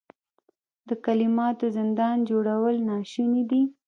د کلماتو زندان جوړول ناشوني دي.